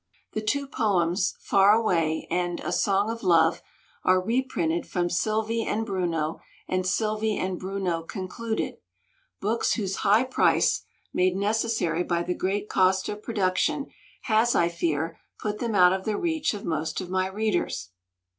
The two poems, "Far Away" and "A Song of Love", are reprinted from Sylvie and Bruno and Sylvie and Bruno Concluded, books whose high price (made necessary by the great cost of production) has, I fear, put them out of the reach of most of my readers.